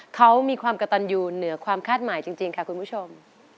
เขามีความกระตันอยู่เหนือความคาดหมายจริงค่ะคุณผู้ชม